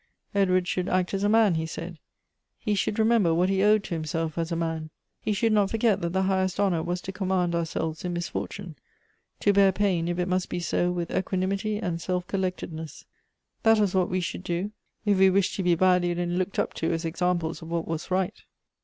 Edward should act as a man, he said ; he should remember what he owed to himself as a man. He should not forget that the highest honor was to command ourselves in misfortune ; to bear pain, if it must be so, with equanimity and self coUectedness. Th.it was what we should do, if we wished to be valued and looked up to as examples of what was right.